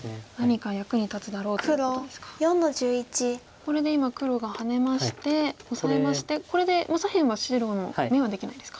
これで今黒がハネましてオサえましてこれでもう左辺は白の眼はできないですか。